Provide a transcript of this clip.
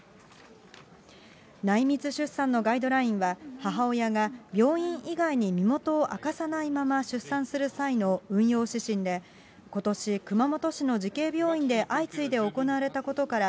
内密出産のガイドラインは、母親が病院以外に身元を明かさないまま出産する際の運用指針で、ことし、熊本市の慈恵病院で相次いで行われたことから、